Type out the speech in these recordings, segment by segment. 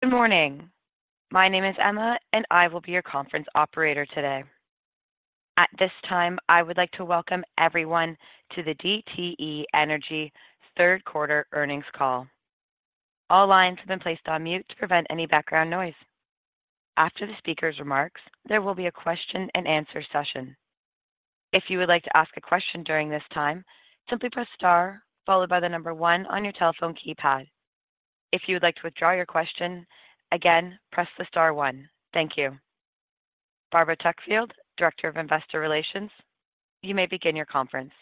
Good morning. My name is Emma, and I will be your conference operator today. At this time, I would like to welcome everyone to the DTE Energy third quarter earnings call. All lines have been placed on mute to prevent any background noise. After the speaker's remarks, there will be a question-and-answer session. If you would like to ask a question during this time, simply press star followed by the number one on your telephone keypad. If you would like to withdraw your question, again, press the star one. Thank you. Barbara Tuckfield, Director of Investor Relations, you may begin your conference.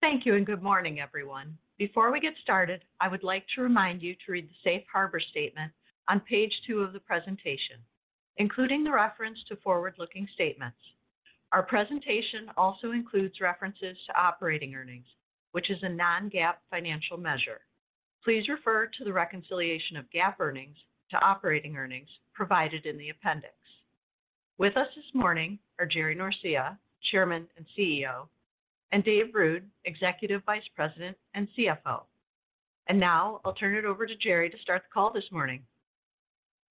Thank you, and good morning, everyone. Before we get started, I would like to remind you to read the safe harbor statement on page 2 of the presentation, including the reference to forward-looking statements. Our presentation also includes references to operating earnings, which is a non-GAAP financial measure. Please refer to the reconciliation of GAAP earnings to operating earnings provided in the appendix. With us this morning are Jerry Norcia, Chairman and CEO, and Dave Ruud, Executive Vice President and CFO. Now I'll turn it over to Jerry to start the call this morning.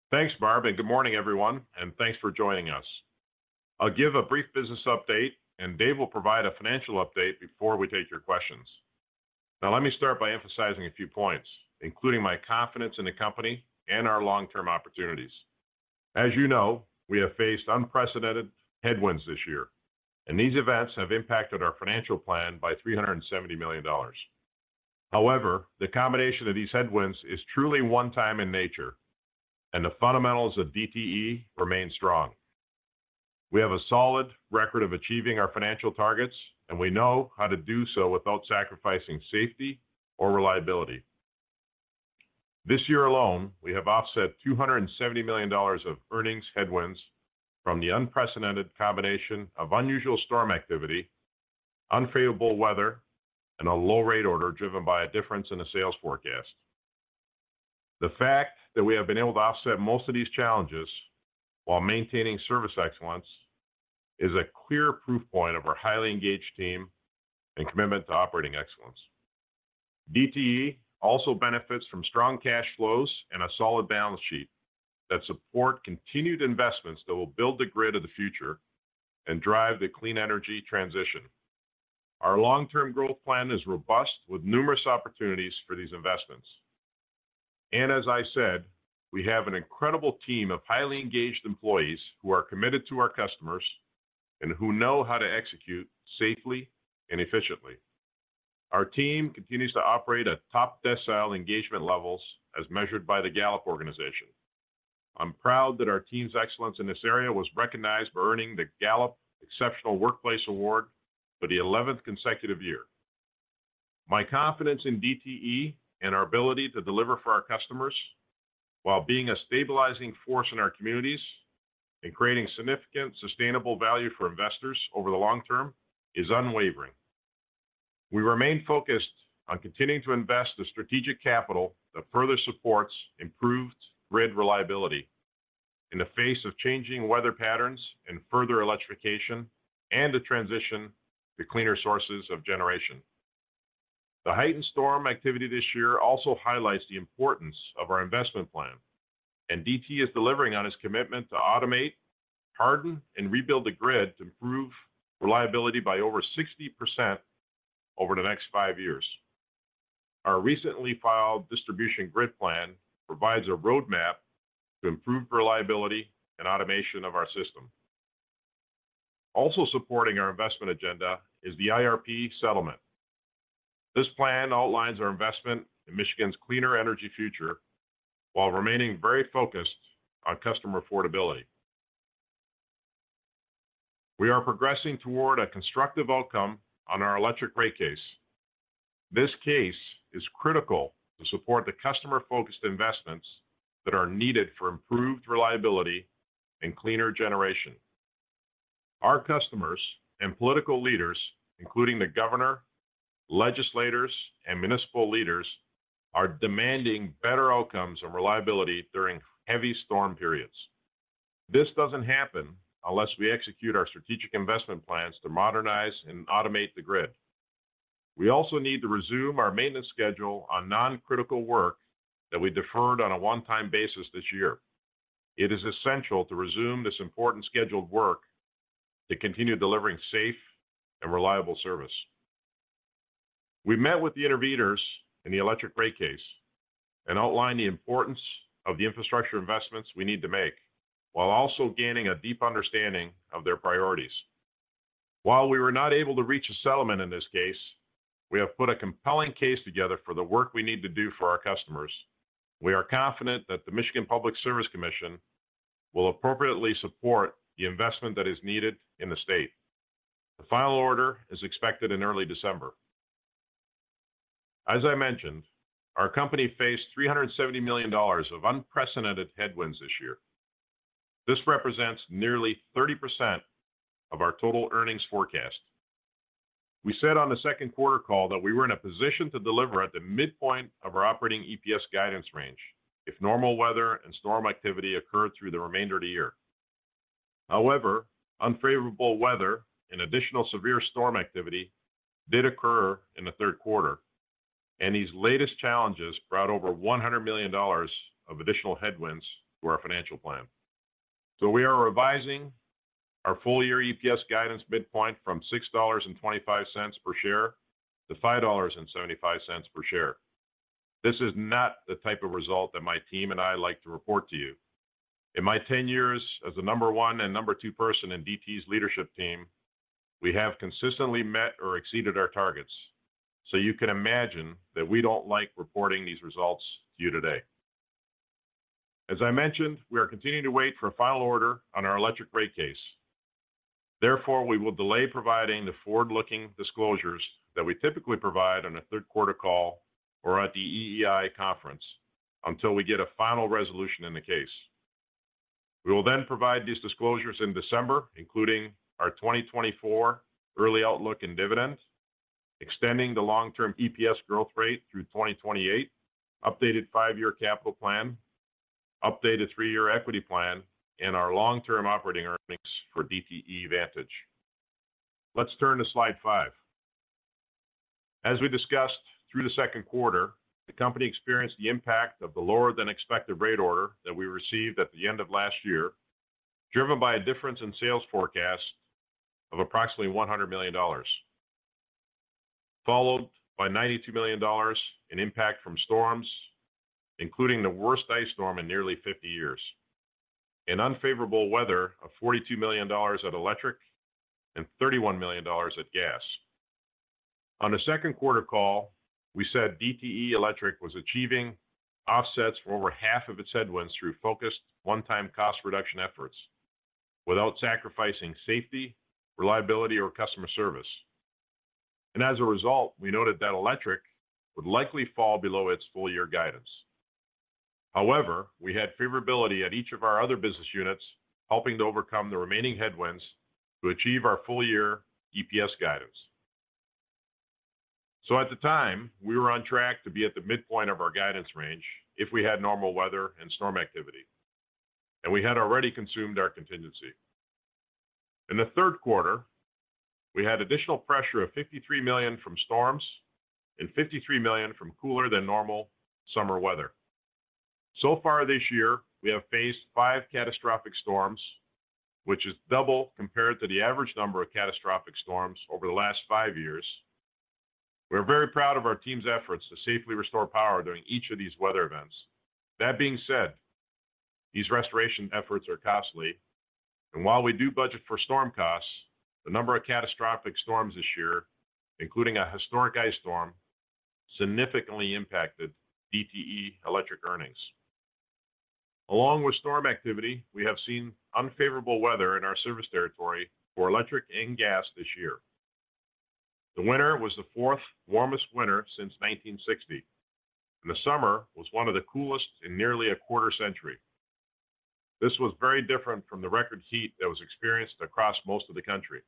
Thanks, Barb, and good morning, everyone, and thanks for joining us. I'll give a brief business update, and Dave will provide a financial update before we take your questions. Now, let me start by emphasizing a few points, including my confidence in the company and our long-term opportunities. As you know, we have faced unprecedented headwinds this year, and these events have impacted our financial plan by $370 million. However, the combination of these headwinds is truly one time in nature, and the fundamentals of DTE remain strong. We have a solid record of achieving our financial targets, and we know how to do so without sacrificing safety or reliability. This year alone, we have offset $270 million of earnings headwinds from the unprecedented combination of unusual storm activity, unfavorable weather, and a low rate order driven by a difference in the sales forecast. The fact that we have been able to offset most of these challenges while maintaining service excellence, is a clear proof point of our highly engaged team and commitment to operating excellence. DTE also benefits from strong cash flows and a solid balance sheet that support continued investments that will build the grid of the future and drive the clean energy transition. Our long-term growth plan is robust, with numerous opportunities for these investments. And as I said, we have an incredible team of highly engaged employees who are committed to our customers and who know how to execute safely and efficiently. Our team continues to operate at top decile engagement levels as measured by the Gallup Organization. I'm proud that our team's excellence in this area was recognized for earning the Gallup Exceptional Workplace Award for the eleventh consecutive year. My confidence in DTE and our ability to deliver for our customers, while being a stabilizing force in our communities and creating significant, sustainable value for investors over the long term, is unwavering. We remain focused on continuing to invest the strategic capital that further supports improved grid reliability in the face of changing weather patterns and further electrification, and the transition to cleaner sources of generation. The heightened storm activity this year also highlights the importance of our investment plan, and DTE is delivering on its commitment to automate, harden, and rebuild the grid to improve reliability by over 60% over the next five years. Our recently filed distribution grid plan provides a roadmap to improve reliability and automation of our system. Also supporting our investment agenda is the IRP settlement. This plan outlines our investment in Michigan's cleaner energy future while remaining very focused on customer affordability. We are progressing toward a constructive outcome on our electric rate case. This case is critical to support the customer-focused investments that are needed for improved reliability and cleaner generation. Our customers and political leaders, including the governor, legislators, and municipal leaders, are demanding better outcomes and reliability during heavy storm periods. This doesn't happen unless we execute our strategic investment plans to modernize and automate the grid. We also need to resume our maintenance schedule on non-critical work that we deferred on a one-time basis this year. It is essential to resume this important scheduled work to continue delivering safe and reliable service. We met with the interveners in the electric rate case and outlined the importance of the infrastructure investments we need to make, while also gaining a deep understanding of their priorities. While we were not able to reach a settlement in this case, we have put a compelling case together for the work we need to do for our customers. We are confident that the Michigan Public Service Commission will appropriately support the investment that is needed in the state. The final order is expected in early December. As I mentioned, our company faced $370 million of unprecedented headwinds this year. This represents nearly 30% of our total earnings forecast. We said on the second quarter call that we were in a position to deliver at the midpoint of our operating EPS guidance range if normal weather and storm activity occurred through the remainder of the year. However, unfavorable weather and additional severe storm activity did occur in the third quarter, and these latest challenges brought over $100 million of additional headwinds to our financial plan. So we are revising our full-year EPS guidance midpoint from $6.25 per share to $5.75 per share. This is not the type of result that my team and I like to report to you. In my 10 years as the number one and number two person in DTE's leadership team, we have consistently met or exceeded our targets. So you can imagine that we don't like reporting these results to you today. As I mentioned, we are continuing to wait for a final order on our electric rate case. Therefore, we will delay providing the forward-looking disclosures that we typically provide on a third quarter call or at the EEI conference until we get a final resolution in the case. We will then provide these disclosures in December, including our 2024 early outlook and dividend, extending the long-term EPS growth rate through 2028, updated five year capital plan, updated three year equity plan, and our long-term operating earnings for DTE Vantage. Let's turn to Slide 5. As we discussed through the second quarter, the company experienced the impact of the lower-than-expected rate order that we received at the end of last year, driven by a difference in sales forecast of approximately $100 million, followed by $92 million in impact from storms, including the worst ice storm in nearly 50 years, and unfavorable weather of $42 million at Electric and $31 million at Gas. On the second quarter call, we said DTE Electric was achieving offsets for over half of its headwinds through focused one-time cost reduction efforts without sacrificing safety, reliability, or customer service. As a result, we noted that Electric would likely fall below its full-year guidance. However, we had favorability at each of our other business units, helping to overcome the remaining headwinds to achieve our full-year EPS guidance. At the time, we were on track to be at the midpoint of our guidance range if we had normal weather and storm activity, and we had already consumed our contingency. In the third quarter, we had additional pressure of $53 million from storms and $53 million from cooler than normal summer weather. So far this year, we have faced five catastrophic storms, which is double compared to the average number of catastrophic storms over the last five years. We're very proud of our team's efforts to safely restore power during each of these weather events. That being said, these restoration efforts are costly, and while we do budget for storm costs, the number of catastrophic storms this year, including a historic ice storm, significantly impacted DTE Electric earnings. Along with storm activity, we have seen unfavorable weather in our service territory for electric and gas this year. The winter was the fourth warmest winter since 1960, and the summer was one of the coolest in nearly a quarter-century. This was very different from the record heat that was experienced across most of the country.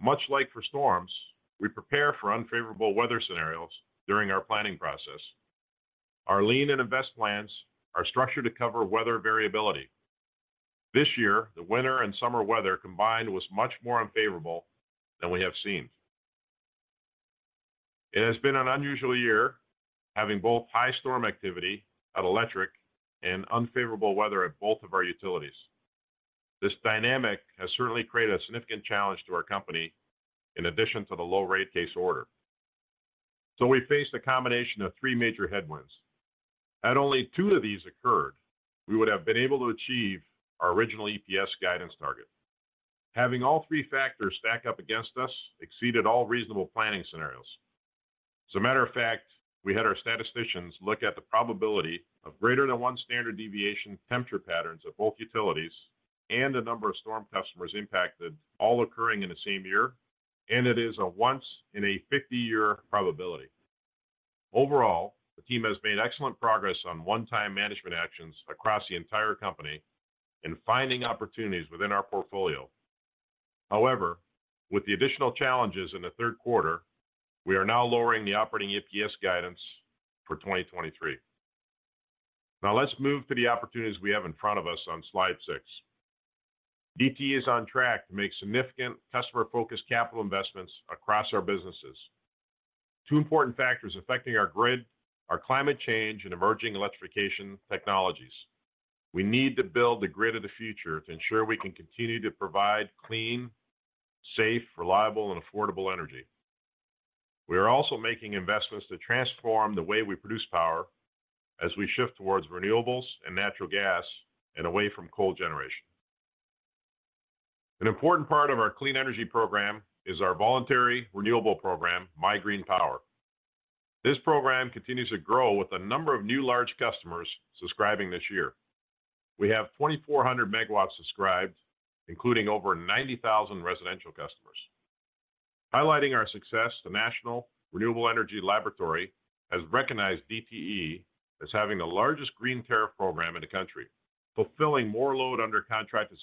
Much like for storms, we prepare for unfavorable weather scenarios during our planning process. Our lean and invest plans are structured to cover weather variability. This year, the winter and summer weather combined was much more unfavorable than we have seen. It has been an unusual year, having both high storm activity at Electric and unfavorable weather at both of our utilities. This dynamic has certainly created a significant challenge to our company, in addition to the low rate case order. So we faced a combination of three major headwinds. Had only two of these occurred, we would have been able to achieve our original EPS guidance target. Having all three factors stack up against us exceeded all reasonable planning scenarios. As a matter of fact, we had our statisticians look at the probability of greater than one standard deviation temperature patterns at both utilities and the number of storm customers impacted, all occurring in the same year, and it is a once-in-a-50-year probability. Overall, the team has made excellent progress on one-time management actions across the entire company in finding opportunities within our portfolio. However, with the additional challenges in the third quarter, we are now lowering the operating EPS guidance for 2023. Now, let's move to the opportunities we have in front of us on Slide 6. DTE is on track to make significant customer-focused capital investments across our businesses. Two important factors affecting our grid are climate change and emerging electrification technologies. We need to build the grid of the future to ensure we can continue to provide clean, safe, reliable, and affordable energy. We are also making investments to transform the way we produce power as we shift towards renewables and natural gas and away from coal generation. An important part of our clean energy program is our voluntary renewable program, MIGreenPower. This program continues to grow with a number of new large customers subscribing this year. We have 2,400 megawatts subscribed, including over 90,000 residential customers. Highlighting our success, the National Renewable Energy Laboratory has recognized DTE as having the largest green tariff program in the country, fulfilling more load under contract to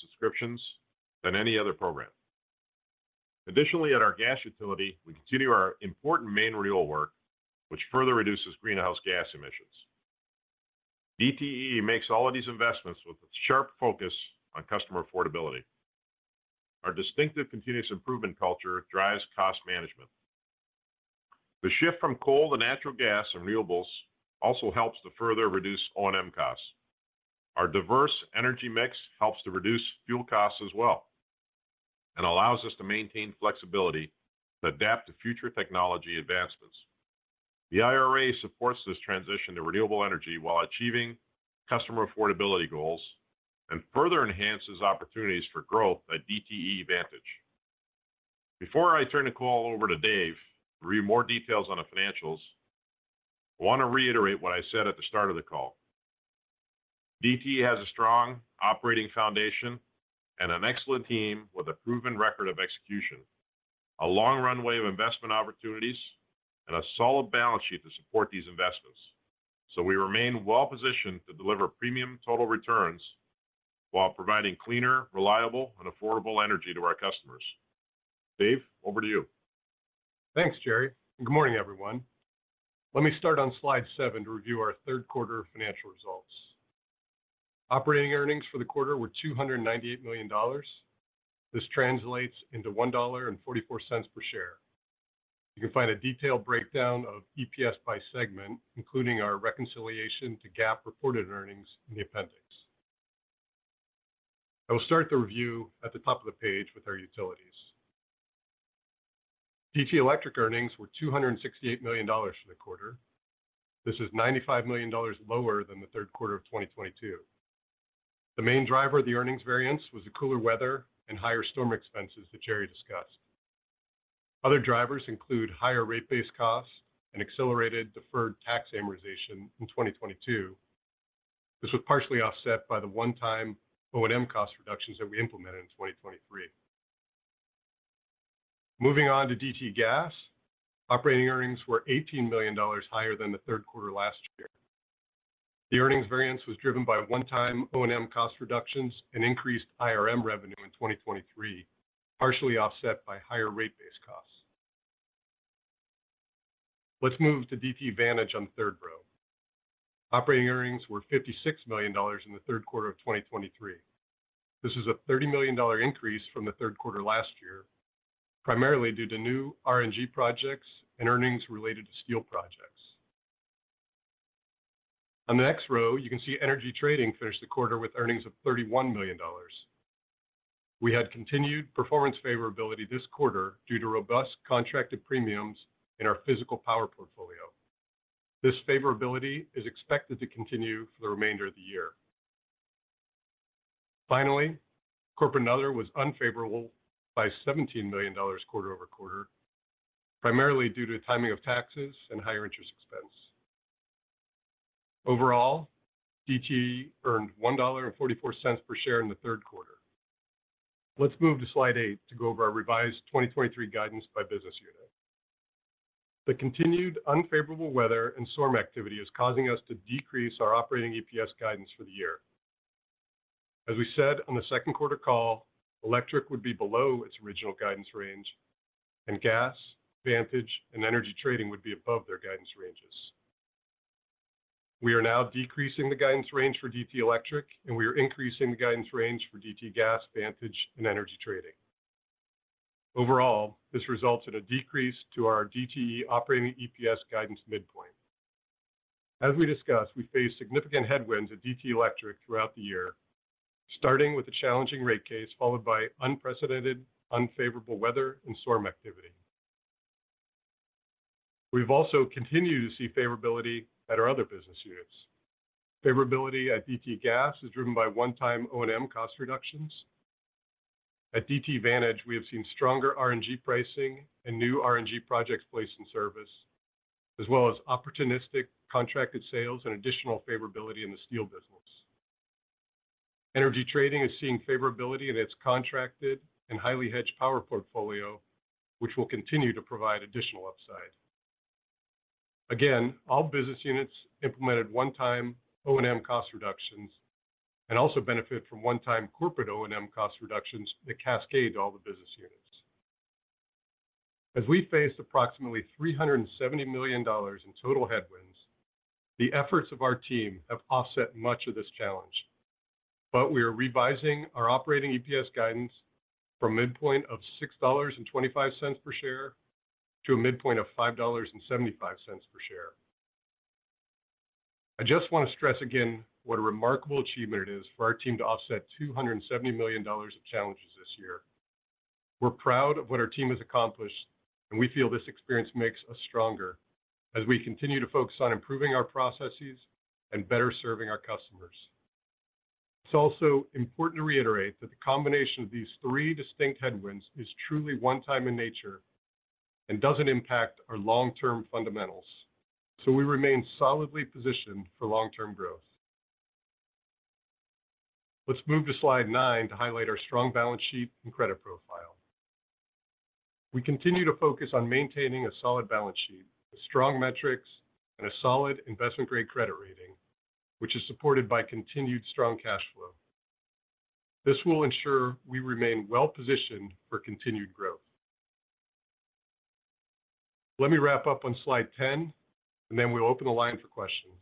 subscriptions than any other program. Additionally, at our gas utility, we continue our important main renewal work, which further reduces greenhouse gas emissions. DTE makes all of these investments with a sharp focus on customer affordability. Our distinctive continuous improvement culture drives cost management. The shift from coal to natural gas and renewables also helps to further reduce O&M costs. Our diverse energy mix helps to reduce fuel costs as well, and allows us to maintain flexibility to adapt to future technology advancements. The IRA supports this transition to renewable energy while achieving customer affordability goals, and further enhances opportunities for growth at DTE Vantage. Before I turn the call over to Dave to read more details on the financials, I want to reiterate what I said at the start of the call. DTE has a strong operating foundation and an excellent team with a proven record of execution, a long runway of investment opportunities, and a solid balance sheet to support these investments. So we remain well-positioned to deliver premium total returns while providing cleaner, reliable, and affordable energy to our customers. Dave, over to you. Thanks, Jerry, and good morning, everyone. Let me start on Slide 7 to review our third quarter financial results. Operating earnings for the quarter were $298 million. This translates into $1.44 per share. You can find a detailed breakdown of EPS by segment, including our reconciliation to GAAP reported earnings in the appendix. I will start the review at the top of the page with our utilities. DTE Electric earnings were $268 million for the quarter. This is $95 million lower than the third quarter of 2022. The main driver of the earnings variance was the cooler weather and higher storm expenses that Jerry discussed. Other drivers include higher rate base costs and accelerated deferred tax amortization in 2022. This was partially offset by the one-time O&M cost reductions that we implemented in 2023. Moving on to DTE Gas. Operating earnings were $18 million higher than the third quarter last year. The earnings variance was driven by one-time O&M cost reductions and increased IRM revenue in 2023, partially offset by higher rate base costs. Let's move to DTE Vantage on the third row. Operating earnings were $56 million in the third quarter of 2023. This is a $30 million increase from the third quarter last year, primarily due to new RNG projects and earnings related to steel projects. On the next row, you can see Energy Trading finished the quarter with earnings of $31 million. We had continued performance favorability this quarter due to robust contracted premiums in our physical power portfolio. This favorability is expected to continue for the remainder of the year. Finally, corporate and other was unfavorable by $17 million quarter-over-quarter, primarily due to timing of taxes and higher interest expense. Overall, DTE earned $1.44 per share in the third quarter. Let's move to Slide 8 to go over our revised 2023 guidance by business unit. The continued unfavorable weather and storm activity is causing us to decrease our operating EPS guidance for the year. As we said on the second quarter call, electric would be below its original guidance range, and gas, Vantage, and Energy Trading would be above their guidance ranges. We are now decreasing the guidance range for DTE Electric, and we are increasing the guidance range for DTE Gas, Vantage, and Energy Trading. Overall, this results in a decrease to our DTE operating EPS guidance midpoint. As we discussed, we face significant headwinds at DTE Electric throughout the year, starting with a challenging rate case, followed by unprecedented unfavorable weather and storm activity. We've also continued to see favorability at our other business units. Favorability at DTE Gas is driven by one-time O&M cost reductions. At DTE Vantage, we have seen stronger RNG pricing and new RNG projects placed in service, as well as opportunistic contracted sales and additional favorability in the steel business. Energy trading is seeing favorability in its contracted and highly hedged power portfolio, which will continue to provide additional upside. Again, all business units implemented one-time O&M cost reductions and also benefit from one-time corporate O&M cost reductions that cascade to all the business units. As we faced approximately $370 million in total headwinds, the efforts of our team have offset much of this challenge, but we are revising our operating EPS guidance from a midpoint of $6.25 per share to a midpoint of $5.75 per share. I just want to stress again what a remarkable achievement it is for our team to offset $270 million of challenges this year. We're proud of what our team has accomplished, and we feel this experience makes us stronger as we continue to focus on improving our processes and better serving our customers. It's also important to reiterate that the combination of these three distinct headwinds is truly one-time in nature and doesn't impact our long-term fundamentals, so we remain solidly positioned for long-term growth. Let's move to Slide 9 to highlight our strong balance sheet and credit profile. We continue to focus on maintaining a solid balance sheet, with strong metrics and a solid investment-grade credit rating. Which is supported by continued strong cash flow. This will ensure we remain well-positioned for continued growth. Let me wrap up on Slide 10, and then we'll open the line for questions.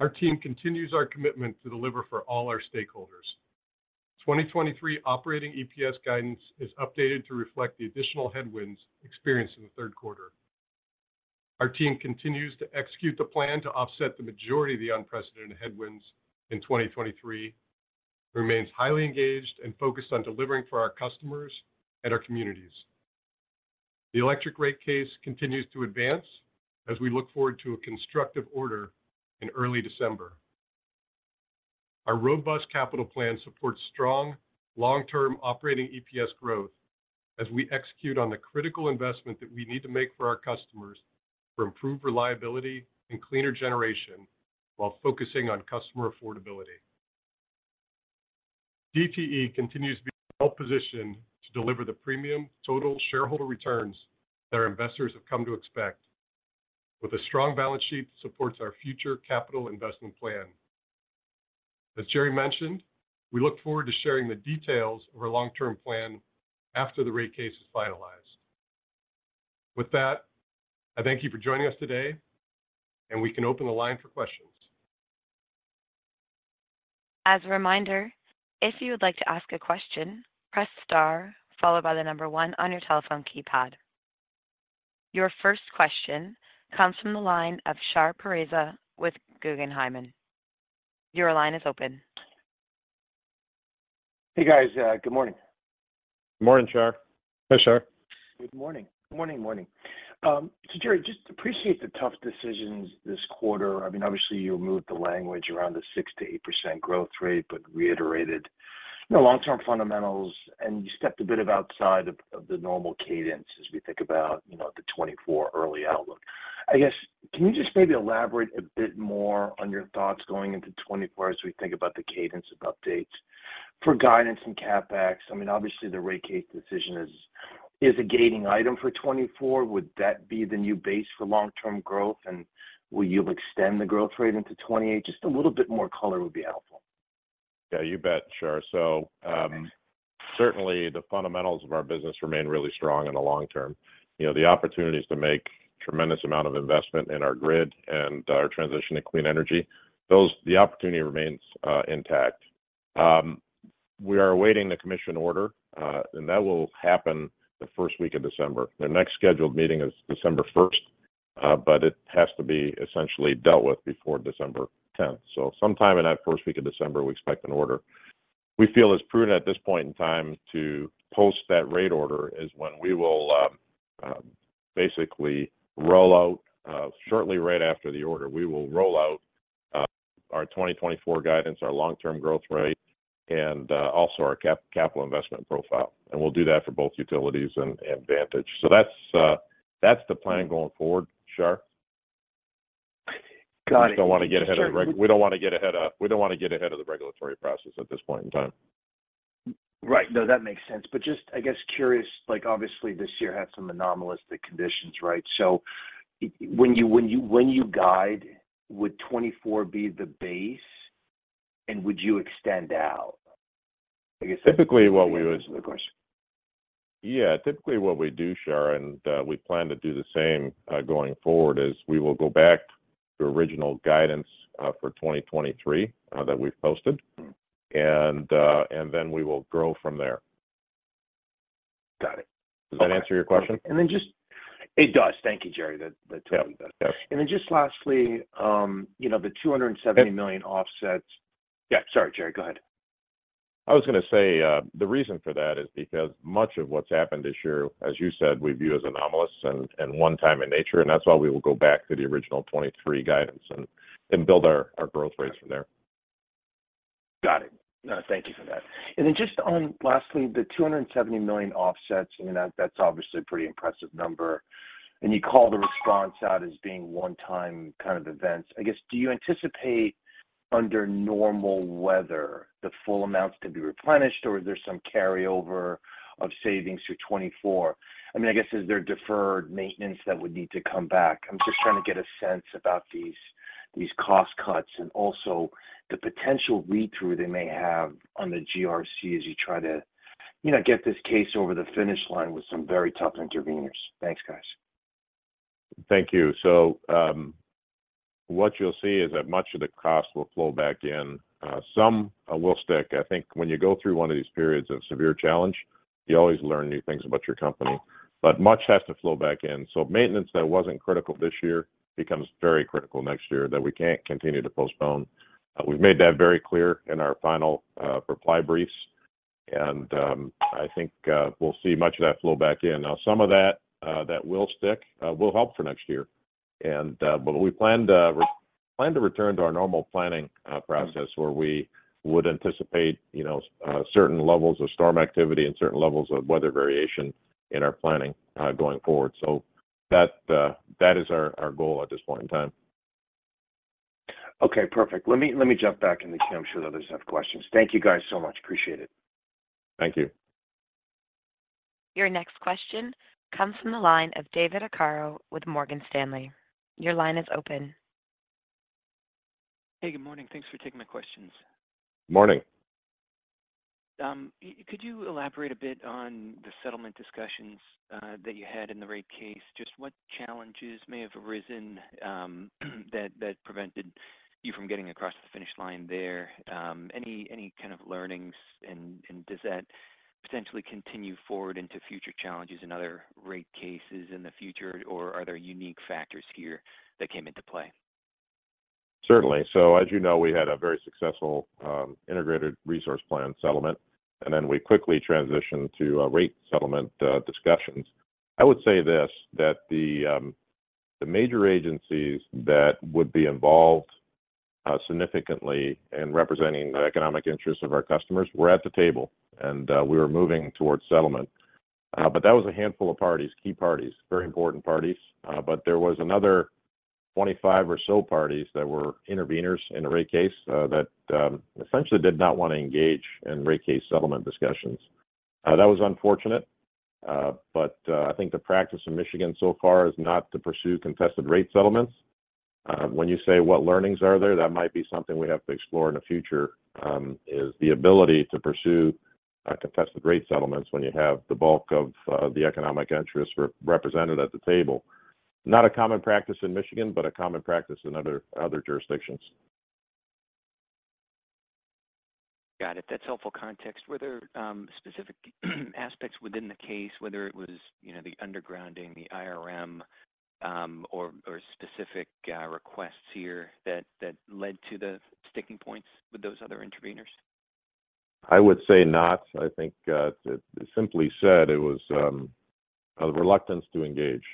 Our team continues our commitment to deliver for all our stakeholders. 2023 operating EPS guidance is updated to reflect the additional headwinds experienced in the third quarter. Our team continues to execute the plan to offset the majority of the unprecedented headwinds in 2023, remains highly engaged and focused on delivering for our customers and our communities. The electric rate case continues to advance as we look forward to a constructive order in early December. Our robust capital plan supports strong, long-term operating EPS growth as we execute on the critical investment that we need to make for our customers for improved reliability and cleaner generation, while focusing on customer affordability. DTE continues to be well-positioned to deliver the premium total shareholder returns that our investors have come to expect, with a strong balance sheet that supports our future capital investment plan. As Jerry mentioned, we look forward to sharing the details of our long-term plan after the rate case is finalized. With that, I thank you for joining us today, and we can open the line for questions. As a reminder, if you would like to ask a question, press star followed by the number one on your telephone keypad. Your first question comes from the line of Shar Pourreza with Guggenheim. Your line is open. Hey, guys. Good morning. Morning, Shar. Hey, Shar. Good morning. Good morning, good morning. So Jerry, just appreciate the tough decisions this quarter. I mean, obviously, you removed the language around the 6%-8% growth rate, but reiterated the long-term fundamentals, and you stepped a bit outside of the normal cadence as we think about, you know, the 2024 early outlook. I guess, can you just maybe elaborate a bit more on your thoughts going into 2024 as we think about the cadence of updates for guidance and CapEx? I mean, obviously, the rate case decision is a gating item for 2024. Would that be the new base for long-term growth, and will you extend the growth rate into 2028? Just a little bit more color would be helpful. Yeah, you bet, Shar. So, certainly, the fundamentals of our business remain really strong in the long term. You know, the opportunities to make tremendous amount of investment in our grid and our transition to clean energy, the opportunity remains intact. We are awaiting the commission order, and that will happen the first week of December. Their next scheduled meeting is December first, but it has to be essentially dealt with before December tenth. So sometime in that first week of December, we expect an order. We feel it's prudent at this point in time to post that rate order, is when we will basically roll out our 2024 guidance, our long-term growth rate, and also our capital investment profile, and we'll do that for both utilities and Vantage. So that's the plan going forward, Shar. Got it. We don't want to get ahead of the regulatory process at this point in time. Right. No, that makes sense. But just, I guess, curious, like, obviously, this year had some anomalous conditions, right? So when you guide, would 2024 be the base, and would you extend out? I guess- Typically, what we would- That's the question. Yeah. Typically, what we do, Shar, and we plan to do the same going forward, is we will go back to original guidance for 2023 that we've posted- Mm-hmm. and then we will grow from there. Got it. Does that answer your question? It does. Thank you, Jerry. That, that- Yeah Tells me that. Yeah. And then just lastly, you know, the $270 million offsets- Yeah, sorry, Jerry, go ahead. I was going to say, the reason for that is because much of what's happened this year, as you said, we view as anomalous and one time in nature, and that's why we will go back to the original 23 guidance and build our growth rates from there. Got it. No, thank you for that. And then just on, lastly, the $270 million offsets, I mean, that, that's obviously a pretty impressive number, and you call the response out as being one-time kind of events. I guess, do you anticipate, under normal weather, the full amounts to be replenished, or is there some carryover of savings through 2024? I mean, I guess, is there deferred maintenance that would need to come back? I'm just trying to get a sense about these, these cost cuts and also the potential read-through they may have on the GRC as you try to, you know, get this case over the finish line with some very tough interveners. Thanks, guys. Thank you. So, what you'll see is that much of the cost will flow back in. Some will stick. I think when you go through one of these periods of severe challenge, you always learn new things about your company, but much has to flow back in. So maintenance that wasn't critical this year becomes very critical next year, that we can't continue to postpone. We've made that very clear in our final reply briefs, and I think we'll see much of that flow back in. Now, some of that that will stick will help for next year, and but we plan to plan to return to our normal planning process- Mm-hmm Where we would anticipate, you know, certain levels of storm activity and certain levels of weather variation in our planning, going forward. So that, that is our, our goal at this point in time. Okay, perfect. Let me, let me jump back in the queue. I'm sure others have questions. Thank you, guys, so much. Appreciate it. Thank you. Your next question comes from the line of David Arcaro with Morgan Stanley. Your line is open. Hey, good morning. Thanks for taking my questions. Morning. Could you elaborate a bit on the settlement discussions that you had in the rate case? Just what challenges may have arisen that prevented you from getting across the finish line there? Any kind of learnings and does that potentially continue forward into future challenges and other rate cases in the future, or are there unique factors here that came into play? Certainly. So as you know, we had a very successful, integrated resource plan settlement, and then we quickly transitioned to a rate settlement discussions. I would say this, that the major agencies that would be involved significantly in representing the economic interests of our customers were at the table, and we were moving towards settlement. But that was a handful of parties, key parties, very important parties. But there was another 25 or so parties that were interveners in the rate case, that essentially did not want to engage in rate case settlement discussions. That was unfortunate, but I think the practice in Michigan so far is not to pursue contested rate settlements. When you say what learnings are there, that might be something we have to explore in the future, is the ability to pursue contested rate settlements when you have the bulk of the economic interests represented at the table. Not a common practice in Michigan, but a common practice in other jurisdictions. Got it. That's helpful context. Were there specific aspects within the case, whether it was, you know, the undergrounding, the IRM, or specific requests here that led to the sticking points with those other interveners? I would say not. I think, simply said, it was a reluctance to engage.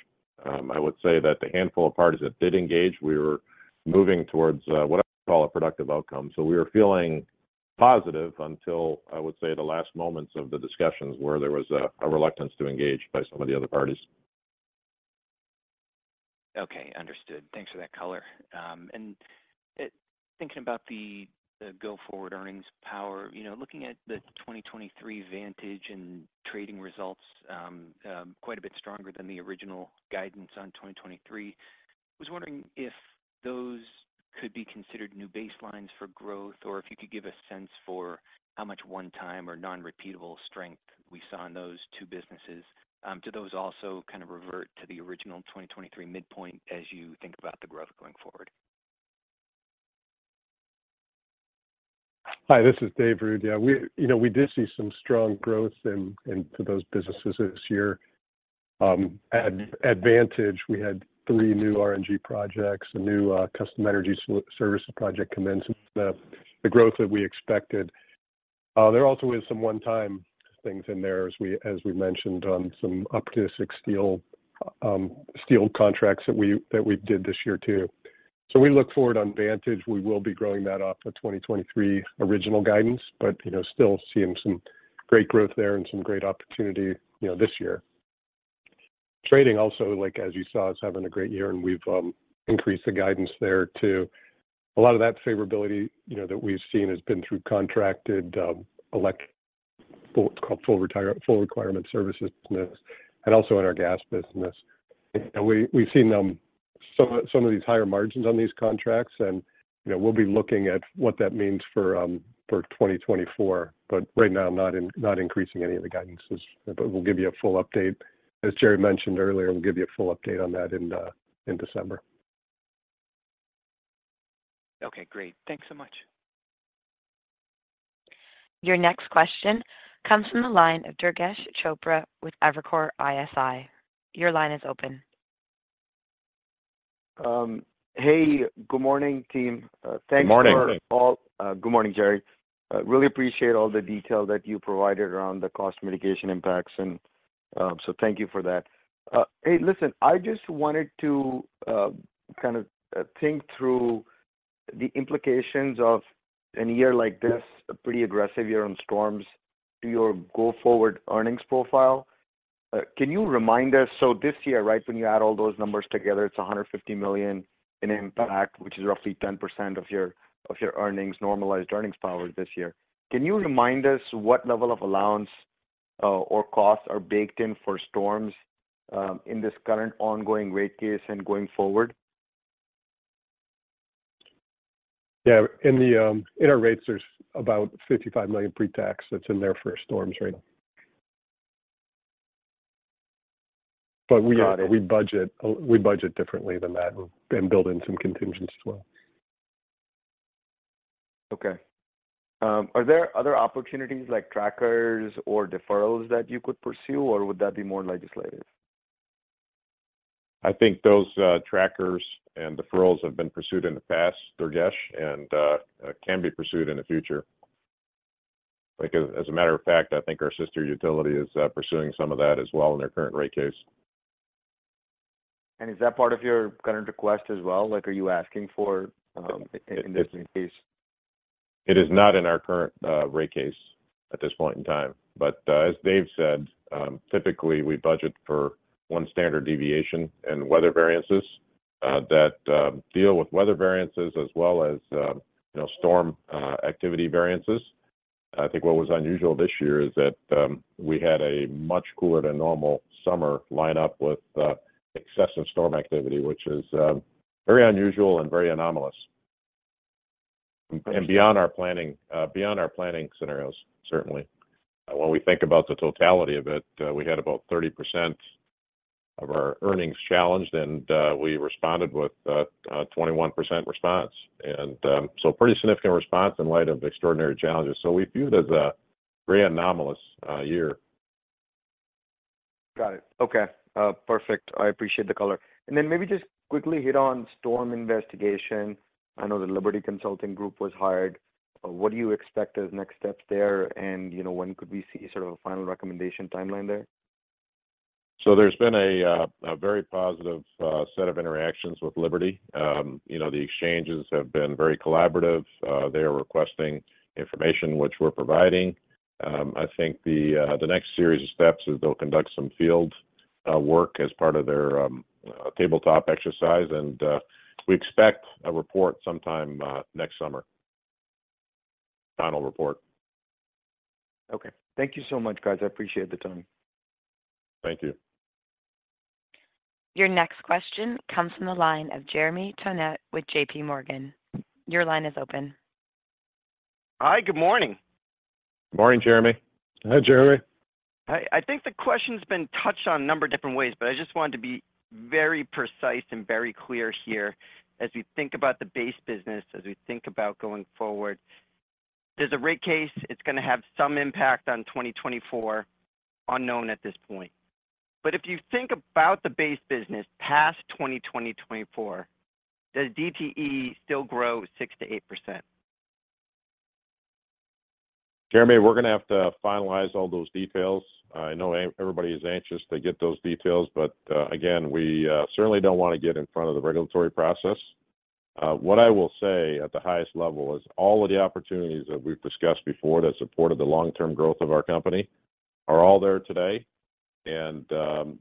I would say that the handful of parties that did engage, we were moving towards what I call a productive outcome. So we were feeling positive until, I would say, the last moments of the discussions, where there was a reluctance to engage by some of the other parties. Okay, understood. Thanks for that color. Thinking about the go-forward earnings power, you know, looking at the 2023 Vantage and trading results, quite a bit stronger than the original guidance on 2023. I was wondering if those could be considered new baselines for growth, or if you could give a sense for how much one-time or non-repeatable strength we saw in those two businesses. Do those also kind of revert to the original 2023 midpoint as you think about the growth going forward? Hi, this is Dave Ruud. Yeah, we, you know, we did see some strong growth into those businesses this year. At Vantage, we had three new RNG projects, a new custom energy services project commenced, the growth that we expected. There also is some one-time things in there, as we mentioned, some up to six steel contracts that we did this year, too. So we look forward on Vantage. We will be growing that off the 2023 original guidance, but, you know, still seeing some great growth there and some great opportunity, you know, this year. Trading also, like as you saw, is having a great year, and we've increased the guidance there, too. A lot of that favorability, you know, that we've seen has been through contracted full requirements services business and also in our gas business. And we've seen some of these higher margins on these contracts and, you know, we'll be looking at what that means for 2024, but right now, I'm not increasing any of the guidances. But we'll give you a full update. As Jerry mentioned earlier, we'll give you a full update on that in December. Okay, great. Thanks so much. Your next question comes from the line of Durgesh Chopra with Evercore ISI. Your line is open. Hey, good morning, team. Good morning. Thanks for all. Good morning, Jerry. I really appreciate all the detail that you provided around the cost mitigation impacts, and, so thank you for that. Hey, listen, I just wanted to kind of think through the implications of a year like this, a pretty aggressive year on storms, to your go-forward earnings profile. Can you remind us? So this year, right, when you add all those numbers together, it's $150 million in impact, which is roughly 10% of your, of your earnings, normalized earnings power this year. Can you remind us what level of allowance, or costs are baked in for storms, in this current ongoing rate case and going forward? Yeah, in the, in our rates, there's about $55 million pre-tax that's in there for storms right now. But we- Got it We budget, we budget differently than that and build in some contingency as well. Okay. Are there other opportunities like trackers or deferrals that you could pursue, or would that be more legislative? I think those trackers and deferrals have been pursued in the past, Durgesh, and can be pursued in the future. Like, as a matter of fact, I think our sister utility is pursuing some of that as well in their current rate case. Is that part of your current request as well? Like, are you asking for, in this new case? It is not in our current rate case at this point in time, but as Dave said, typically we budget for one standard deviation and weather variances that deal with weather variances as well as, you know, storm activity variances. I think what was unusual this year is that we had a much cooler than normal summer line up with excessive storm activity, which is very unusual and very anomalous, and beyond our planning, beyond our planning scenarios, certainly. When we think about the totality of it, we had about 30% of our earnings challenged, and we responded with a 21% response. And so pretty significant response in light of extraordinary challenges. So we view it as a very anomalous year. Got it. Okay, perfect. I appreciate the color. And then maybe just quickly hit on storm investigation. I know the Liberty Consulting Group was hired. What do you expect as next steps there? And, you know, when could we see sort of a final recommendation timeline there? So there's been a very positive set of interactions with Liberty. You know, the exchanges have been very collaborative. They are requesting information which we're providing. I think the next series of steps is they'll conduct some field work as part of their tabletop exercise, and we expect a report sometime next summer. Final report. Okay. Thank you so much, guys. I appreciate the time. Thank you. Your next question comes from the line of Jeremy Tonet with JP Morgan. Your line is open. Hi, good morning. Morning, Jeremy. Hi, Jeremy. I think the question's been touched on a number of different ways, but I just wanted to be very precise and very clear here. As we think about the base business, as we think about going forward, there's a rate case, it's going to have some impact on 2024, unknown at this point. But if you think about the base business past 2024, does DTE still grow 6%-8%? Jeremy, we're going to have to finalize all those details. I know everybody is anxious to get those details, but, again, we certainly don't want to get in front of the regulatory process. What I will say at the highest level is all of the opportunities that we've discussed before that supported the long-term growth of our company are all there today, and,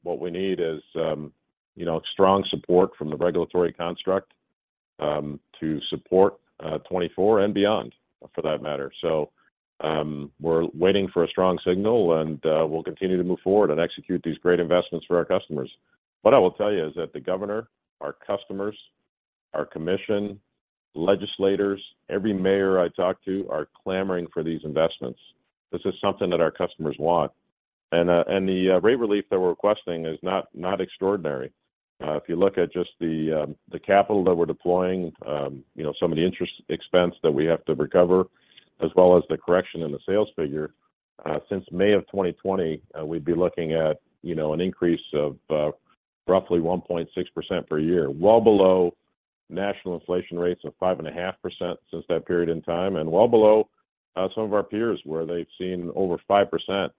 what we need is, you know, strong support from the regulatory construct, to support 2024 and beyond, for that matter. So, we're waiting for a strong signal, and, we'll continue to move forward and execute these great investments for our customers. What I will tell you is that the governor, our customers, our commission, legislators, every mayor I talk to, are clamoring for these investments. This is something that our customers want, and the rate relief that we're requesting is not extraordinary. If you look at just the capital that we're deploying, you know, some of the interest expense that we have to recover, as well as the correction in the sales figure since May of 2020, we'd be looking at, you know, an increase of roughly 1.6% per year, well below national inflation rates of 5.5% since that period in time, and well below some of our peers, where they've seen over 5%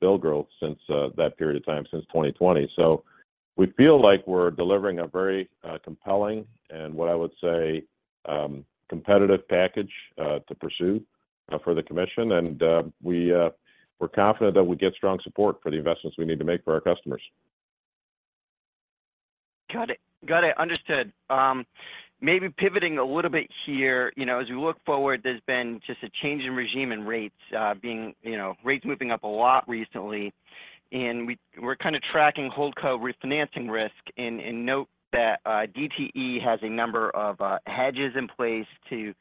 bill growth since that period of time, since 2020. So we feel like we're delivering a very compelling and what I would say competitive package to pursue for the commission. We're confident that we get strong support for the investments we need to make for our customers. Got it. Got it, understood. Maybe pivoting a little bit here, you know, as we look forward, there's been just a change in regime and rates, being, you know, rates moving up a lot recently, and we're kind of tracking HoldCo refinancing risk and note that DTE has a number of hedges in place to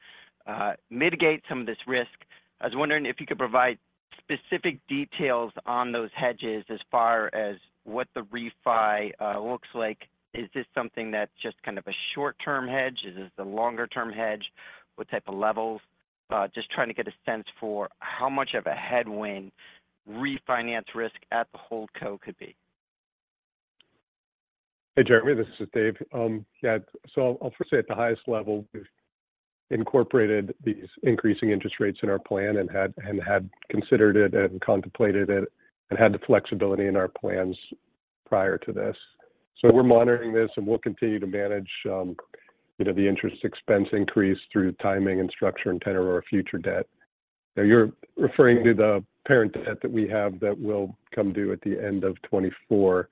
mitigate some of this risk. I was wondering if you could provide specific details on those hedges as far as what the refi looks like. Is this something that's just kind of a short-term hedge? Is this a longer-term hedge? What type of levels? Just trying to get a sense for how much of a headwind refinance risk at the HoldCo could be. Hey, Jeremy, this is Dave. Yeah, so I'll first say at the highest level, we've incorporated these increasing interest rates in our plan and had, and had considered it and contemplated it and had the flexibility in our plans prior to this. So we're monitoring this, and we'll continue to manage, you know, the interest expense increase through timing and structure and tenor of our future debt. Now, you're referring to the parent debt that we have that will come due at the end of 2024.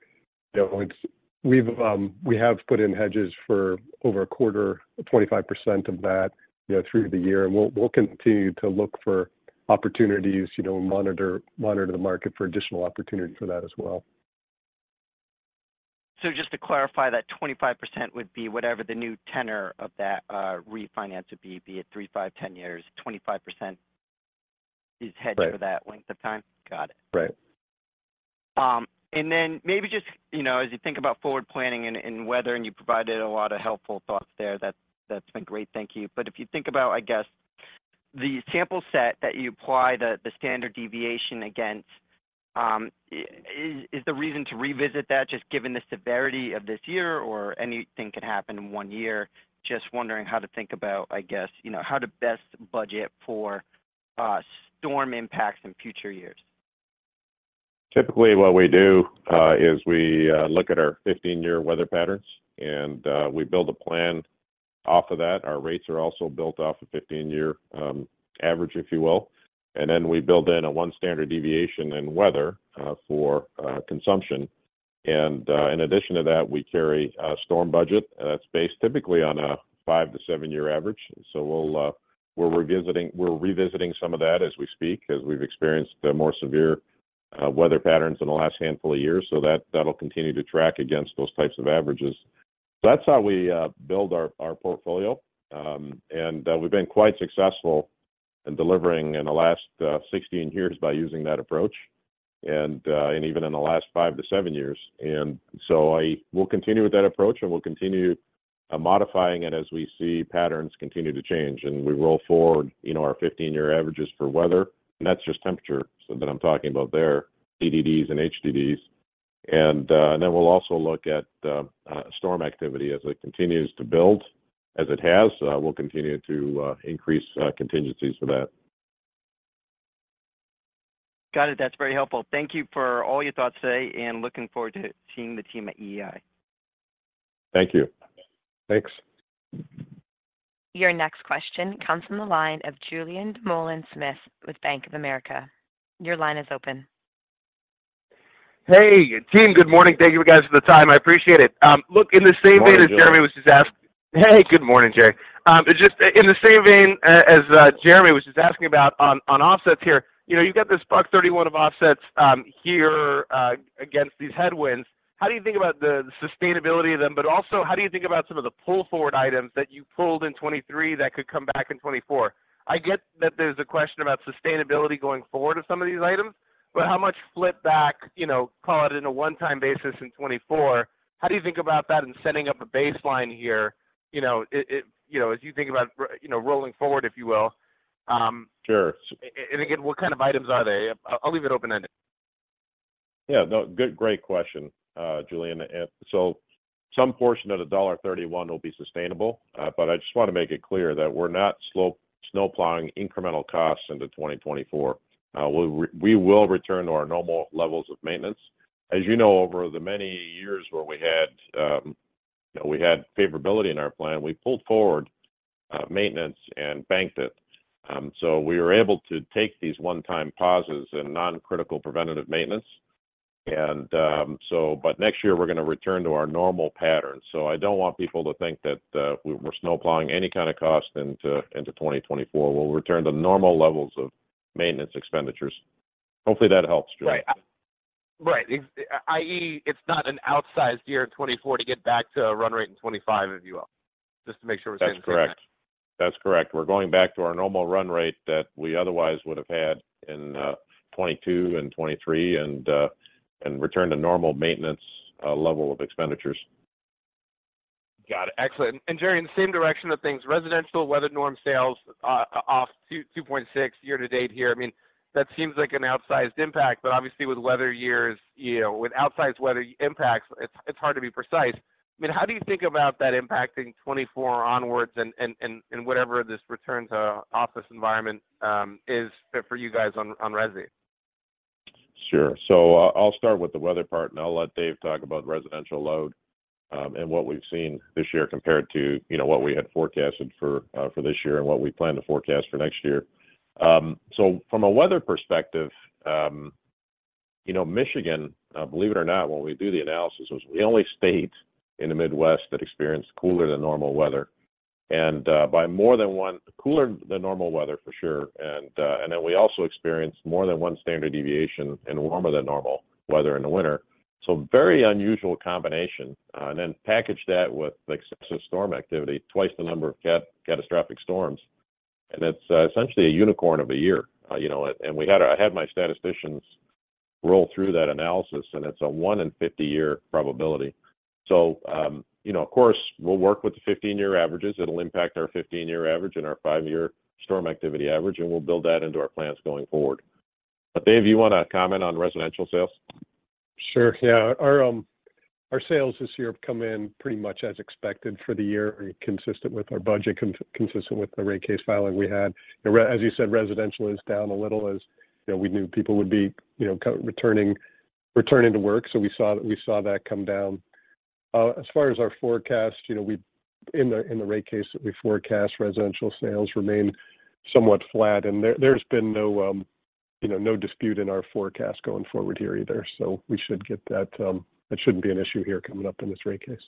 You know, it's. We've, we have put in hedges for over a quarter, 25% of that, you know, through the year, and we'll, we'll continue to look for opportunities, you know, and monitor, monitor the market for additional opportunity for that as well. So just to clarify, that 25% would be whatever the new tenor of that refinance would be, be it three, five, 10 years, 25% is hedged- Right. -for that length of time? Got it. Right. And then maybe just, you know, as you think about forward planning and weather, and you provided a lot of helpful thoughts there, that's been great. Thank you. But if you think about, I guess, the sample set that you apply the standard deviation against, is the reason to revisit that just given the severity of this year or anything can happen in one year? Just wondering how to think about, I guess, you know, how to best budget for storm impacts in future years. Typically, what we do is we look at our 15-year weather patterns, and we build a plan off of that. Our rates are also built off a 15-year average, if you will, and then we build in a 1 standard deviation in weather for consumption. In addition to that, we carry a storm budget, and that's based typically on a five-seven year average. So we'll, we're revisiting some of that as we speak, as we've experienced the more severe weather patterns in the last handful of years. So that, that'll continue to track against those types of averages. That's how we build our portfolio. And we've been quite successful in delivering in the last 16 years by using that approach and even in the last five-seven years. And so we'll continue with that approach, and we'll continue modifying it as we see patterns continue to change. And we roll forward, you know, our 15-year averages for weather, and that's just temperature so that I'm talking about there, CDDs and HDDs. And, and then we'll also look at storm activity as it continues to build, as it has. We'll continue to increase contingencies for that. Got it. That's very helpful. Thank you for all your thoughts today, and looking forward to seeing the team at EEI. Thank you. Thanks. Your next question comes from the line of Julien Dumoulin-Smith with Bank of America. Your line is open. Hey, team, good morning. Thank you, guys, for the time. I appreciate it. Look, in the same vein as Jeremy was just asking- Morning, Julien. Hey, good morning, Jerry. Just in the same vein as Jeremy was just asking about on offsets here. You know, you've got this $131 of offsets here against these headwinds. How do you think about the sustainability of them? But also, how do you think about some of the pull-forward items that you pulled in 2023 that could come back in 2024? I get that there's a question about sustainability going forward of some of these items, but how much flip back, you know, call it in a one-time basis in 2024? How do you think about that in setting up a baseline here? You know, it you know, as you think about you know, rolling forward, if you will? Sure. And again, what kind of items are they? I'll leave it open-ended. Yeah. No, good, great question, Julien. And so some portion of the $31 will be sustainable, but I just want to make it clear that we're not snowplowing incremental costs into 2024. We will return to our normal levels of maintenance. As you know, over the many years where we had, we had favorability in our plan, we pulled forward, maintenance and banked it. So we were able to take these one-time pauses in non-critical preventative maintenance, and, so but next year, we're going to return to our normal pattern. So I don't want people to think that, we're snowplowing any kind of cost into, into 2024. We'll return to normal levels of maintenance expenditures. Hopefully, that helps, Julien. Right. Right. i.e., it's not an outsized year in 2024 to get back to a run rate in 2025, if you will, just to make sure we're clear. That's correct. That's correct. We're going back to our normal run rate that we otherwise would have had in 2022 and 2023, and return to normal maintenance level of expenditures. Got it. Excellent. And Jerry, in the same direction of things, residential weather norm sales off two point six year to date here. I mean, that seems like an outsized impact, but obviously, with weather years, you know, with outsized weather impacts, it's, it's hard to be precise. I mean, how do you think about that impacting 2024 onwards and, and, and, and whatever this return to office environment is for you guys on, on resi? Sure. So I'll start with the weather part, and I'll let Dave talk about residential load, and what we've seen this year compared to, you know, what we had forecasted for, for this year and what we plan to forecast for next year. So from a weather perspective, you know, Michigan, believe it or not, when we do the analysis, was the only state in the Midwest that experienced cooler than normal weather, for sure. And then we also experienced more than one standard deviation in warmer than normal weather in the winter. So very unusual combination, and then package that with excessive storm activity, twice the number of catastrophic storms, and it's essentially a unicorn of a year, you know. I had my statisticians roll through that analysis, and it's a 1 in 50-year probability. So, you know, of course, we'll work with the 15-year averages. It'll impact our 15-year average and our five year storm activity average, and we'll build that into our plans going forward. But, Dave, you want to comment on residential sales? Sure, yeah. Our sales this year have come in pretty much as expected for the year, consistent with our budget, consistent with the rate case filing we had. As you said, residential is down a little as, you know, we knew people would be, you know, returning to work, so we saw that come down. As far as our forecast, you know, in the rate case, we forecast residential sales remain somewhat flat, and there's been no, you know, no dispute in our forecast going forward here either. So we should get that. That shouldn't be an issue here coming up in this rate case.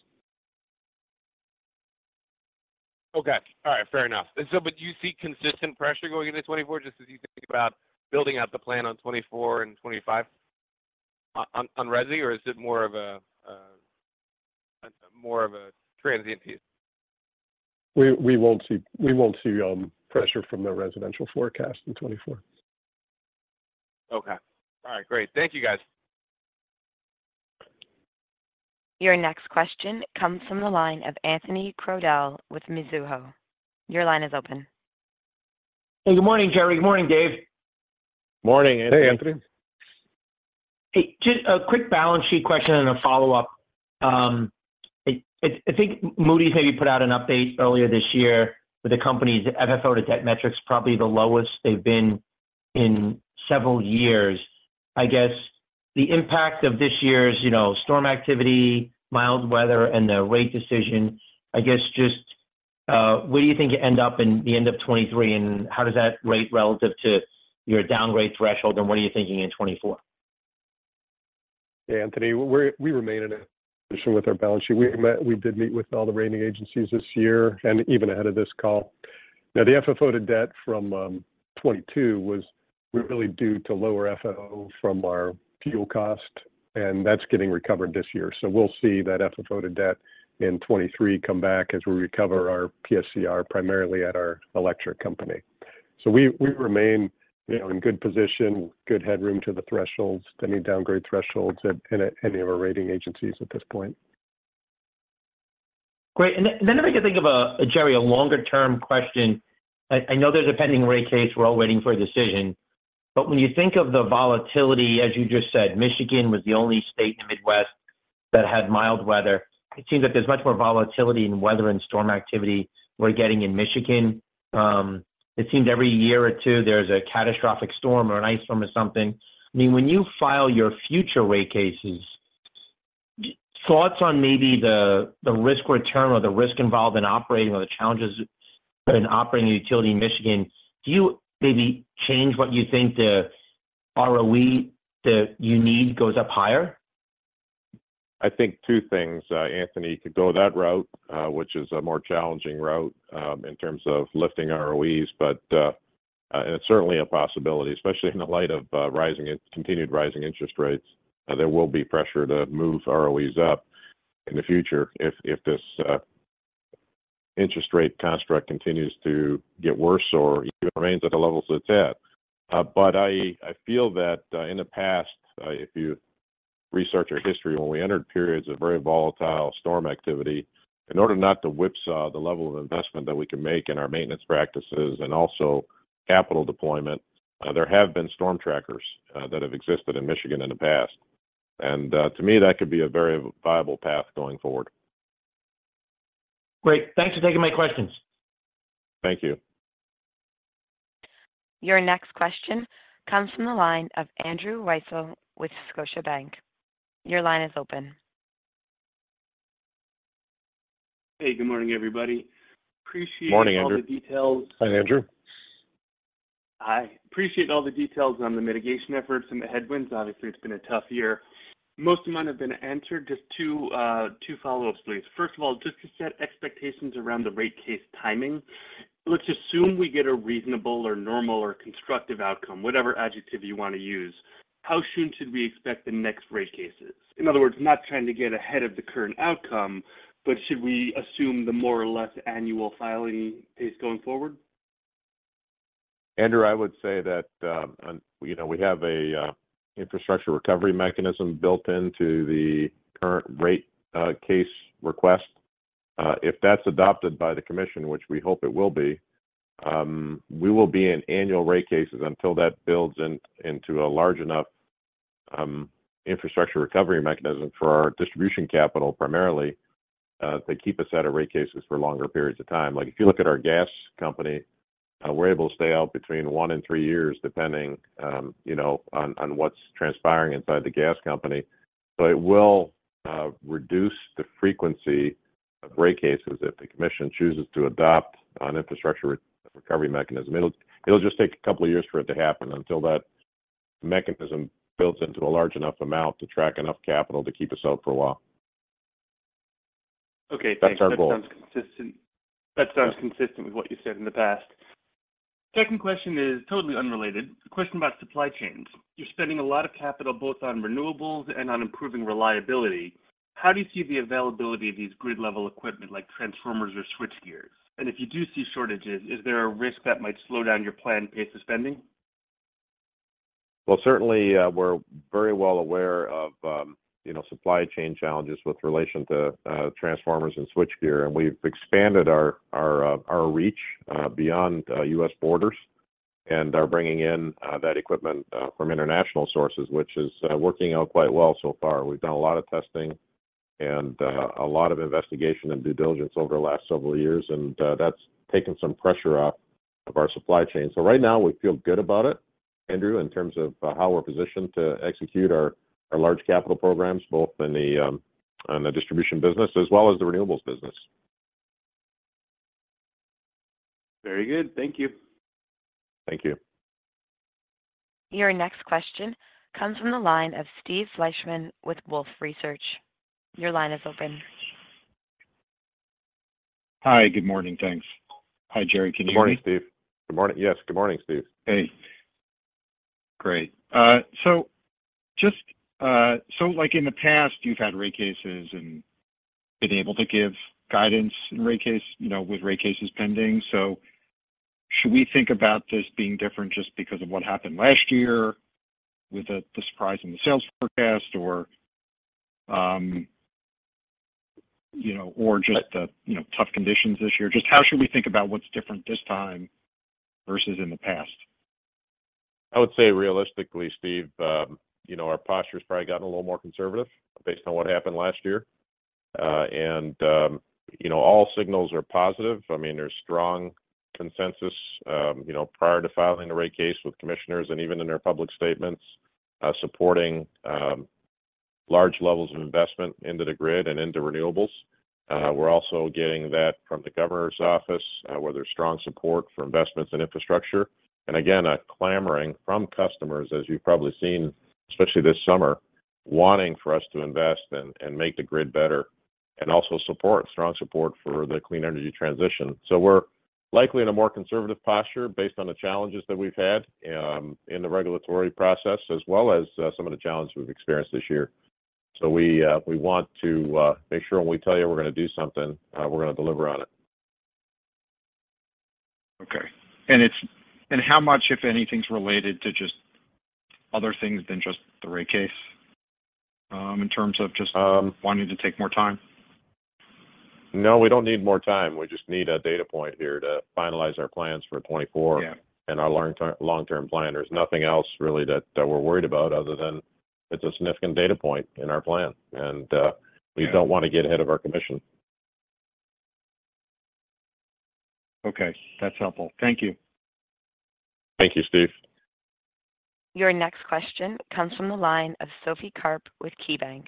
Okay. All right, fair enough. And so, but do you see consistent pressure going into 2024, just as you think about building out the plan on 2024 and 2025 on, on resi, or is it more of a, more of a transient piece? We won't see pressure from the residential forecast in 2024. Okay. All right, great. Thank you, guys. Your next question comes from the line of Anthony Crowdell with Mizuho. Your line is open. Hey, good morning, Jerry. Good morning, Dave. Morning, Anthony. Hey, Anthony. Hey, just a quick balance sheet question and a follow-up. I think Moody's maybe put out an update earlier this year with the company's FFO to Debt metrics, probably the lowest they've been- In several years, I guess the impact of this year's, you know, storm activity, mild weather, and the rate decision, I guess, just, where do you think you end up in the end of 2023, and how does that rate relative to your downgrade threshold, and what are you thinking in 2024? Hey, Anthony, we're, we remain in a position with our balance sheet. We did meet with all the rating agencies this year, and even ahead of this call. Now, the FFO to debt from 2022 was really due to lower FFO from our fuel cost, and that's getting recovered this year. So we'll see that FFO to debt in 2023 come back as we recover our PSCR, primarily at our electric company. So we, we remain, you know, in good position, good headroom to the thresholds, any downgrade thresholds at, in, any of our rating agencies at this point. Great. Then if I can think of, Jerry, a longer-term question. I know there's a pending rate case. We're all waiting for a decision. But when you think of the volatility, as you just said, Michigan was the only state in the Midwest that had mild weather. It seems that there's much more volatility in weather and storm activity we're getting in Michigan. It seems every year or two, there's a catastrophic storm or an ice storm or something. I mean, when you file your future rate cases, thoughts on maybe the risk return or the risk involved in operating or the challenges in operating a utility in Michigan, do you maybe change what you think the ROE that you need goes up higher? I think two things, Anthony, could go that route, which is a more challenging route, in terms of lifting ROEs, but, and it's certainly a possibility, especially in the light of, rising, continued rising interest rates. There will be pressure to move ROEs up in the future if this interest rate construct continues to get worse or remains at the levels it's at. But I feel that, in the past, if you research our history, when we entered periods of very volatile storm activity, in order not to whipsaw the level of investment that we can make in our maintenance practices and also capital deployment, there have been storm trackers that have existed in Michigan in the past. And, to me, that could be a very viable path going forward. Great. Thanks for taking my questions. Thank you. Your next question comes from the line of Andrew Weisel with Scotiabank. Your line is open. Hey, good morning, everybody. Appreciate- Morning, Andrew -all the details. Hi, Andrew. I appreciate all the details on the mitigation efforts and the headwinds. Obviously, it's been a tough year. Most of mine have been answered. Just two, two follow-ups, please. First of all, just to set expectations around the rate case timing, let's assume we get a reasonable or normal or constructive outcome, whatever adjective you want to use, how soon should we expect the next rate cases? In other words, not trying to get ahead of the current outcome, but should we assume the more or less annual filing pace going forward? Andrew, I would say that, you know, we have a Infrastructure Recovery Mechanism built into the current rate case request. If that's adopted by the commission, which we hope it will be, we will be in annual rate cases until that builds in, into a large enough Infrastructure Recovery Mechanism for our distribution capital, primarily, to keep us out of rate cases for longer periods of time. Like, if you look at our gas company, we're able to stay out between one and three years, depending, you know, on, on what's transpiring inside the gas company. So it will reduce the frequency of rate cases if the commission chooses to adopt an Infrastructure Recovery Mechanism. It'll just take a couple of years for it to happen until that mechanism builds into a large enough amount to attract enough capital to keep us out for a while. Okay, thanks. That's our goal. That sounds consistent, that sounds consistent with what you said in the past. Second question is totally unrelated. A question about supply chains. You're spending a lot of capital, both on renewables and on improving reliability. How do you see the availability of these grid-level equipment, like transformers or switchgear? And if you do see shortages, is there a risk that might slow down your planned pace of spending? Well, certainly, we're very well aware of, you know, supply chain challenges with relation to, transformers and switchgear, and we've expanded our reach beyond U.S. borders and are bringing in that equipment from international sources, which is working out quite well so far. We've done a lot of testing and a lot of investigation and due diligence over the last several years, and that's taken some pressure off of our supply chain. So right now, we feel good about it, Andrew, in terms of how we're positioned to execute our large capital programs, both in the distribution business as well as the renewables business. Very good. Thank you. Thank you. Your next question comes from the line of Steve Fleishman with Wolfe Research. Your line is open. Hi, good morning, thanks. Hi, Jerry. Can you hear me? Good morning, Steve. Good morning. Yes, good morning, Steve. Hey. Great. So just, like in the past, you've had rate cases and been able to give guidance in rate case, you know, with rate cases pending. So should we think about this being different just because of what happened last year with the, the surprise in the sales forecast or, you know, or just the, you know, tough conditions this year? Just how should we think about what's different this time versus in the past? I would say realistically, Steve, you know, our posture has probably gotten a little more conservative based on what happened last year. You know, all signals are positive. I mean, there's strong consensus, you know, prior to filing the rate case with commissioners and even in their public statements, supporting large levels of investment into the grid and into renewables. We're also getting that from the governor's office, where there's strong support for investments in infrastructure. Again, a clamoring from customers, as you've probably seen, especially this summer, wanting for us to invest and make the grid better, and also support, strong support for the clean energy transition. So we're likely in a more conservative posture based on the challenges that we've had in the regulatory process, as well as some of the challenges we've experienced this year. So we want to make sure when we tell you we're gonna do something, we're gonna deliver on it. Okay. And how much, if anything, is related to just other things than just the rate case, in terms of just wanting to take more time? No, we don't need more time. We just need a data point here to finalize our plans for 2024- Yeah And our long-term plan. There's nothing else really that, that we're worried about other than it's a significant data point in our plan, and Yeah We don't want to get ahead of our commission. Okay, that's helpful. Thank you. Thank you, Steve. Your next question comes from the line of Sophie Karp with KeyBanc.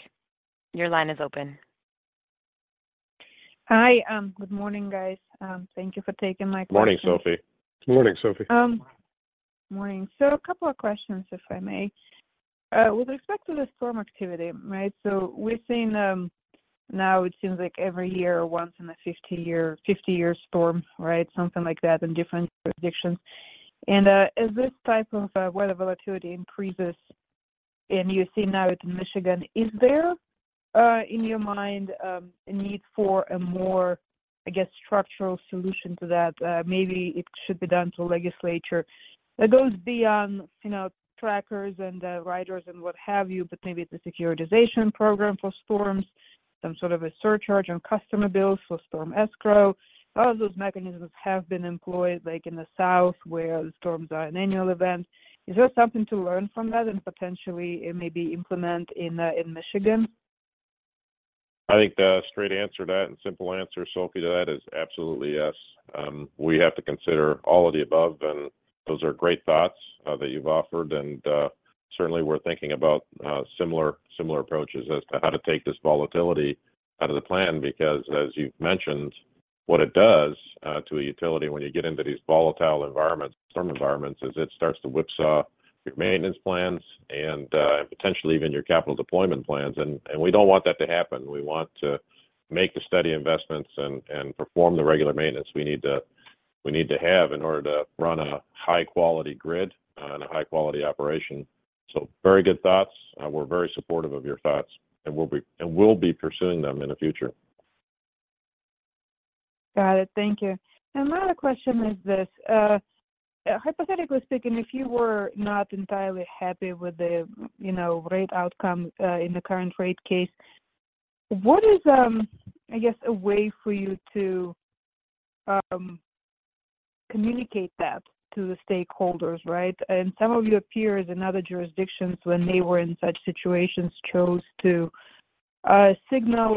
Your line is open. Hi. Good morning, guys. Thank you for taking my question. Morning, Sophie. Good morning, Sophie. Morning. So a couple of questions, if I may. With respect to the storm activity, right? So we're seeing, now it seems like every year or once in a 50-year, 50-year storm, right? Something like that in different jurisdictions. And, as this type of, weather volatility increases, and you see now it's in Michigan, is there, in your mind, a need for a more, I guess, structural solution to that? Maybe it should be done to legislature. It goes beyond, you know, trackers and, riders and what have you, but maybe it's a securitization program for storms, some sort of a surcharge on customer bills for storm escrow. All those mechanisms have been employed, like in the South, where the storms are an annual event. Is there something to learn from that and potentially maybe implement in, in Michigan? I think the straight answer to that and simple answer, Sophie, to that is absolutely yes. We have to consider all of the above, and those are great thoughts that you've offered. Certainly we're thinking about similar approaches as to how to take this volatility out of the plan, because as you've mentioned, what it does to a utility when you get into these volatile environments, storm environments, is it starts to whipsaw your maintenance plans and potentially even your capital deployment plans. We don't want that to happen. We want to make the steady investments and perform the regular maintenance we need to, we need to have in order to run a high-quality grid and a high-quality operation. So very good thoughts. We're very supportive of your thoughts, and we'll be pursuing them in the future. Got it. Thank you. And my other question is this: Hypothetically speaking, if you were not entirely happy with the, you know, rate outcome, in the current rate case, what is, I guess, a way for you to, communicate that to the stakeholders, right? And some of your peers in other jurisdictions, when they were in such situations, chose to, signal